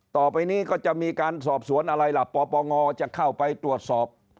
ต่อไปนี้ก็จะมีการสอบสวนอะไรล่ะปปงจะเข้าไปตรวจสอบ